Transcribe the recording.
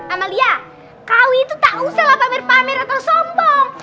amalia kau itu tak usahlah pamer pamer atau sombong